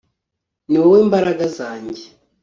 ni wowe mbaraga zanjye